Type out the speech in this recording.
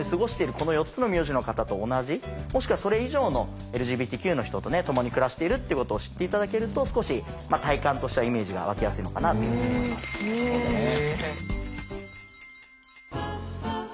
この４つの名字の方と同じもしくはそれ以上のＬＧＢＴＱの人と共に暮らしているっていうことを知って頂けると少し体感としてはイメージが湧きやすいのかなあというふうに思います。